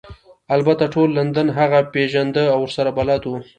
البته ټول لندن هغه پیژنده او ورسره بلد وو